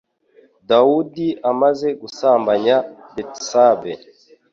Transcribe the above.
Dawudi amaze gusambanya Betsabe